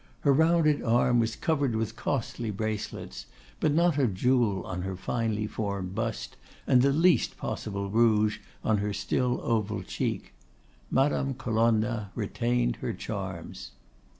Her rounded arm was covered with costly bracelets, but not a jewel on her finely formed bust, and the least possible rouge on her still oval cheek. Madame Colonna retained her charms.